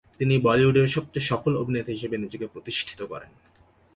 তিনি বলিউডের সবচেয়ে সফল অভিনেতা হিসেবে নিজেকে প্রতিষ্ঠিত করেন।